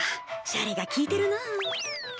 シャレが効いてるなあ。